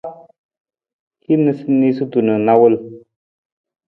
Hin niisaniisatu na nawul.